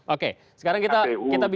oke sekarang kita bicara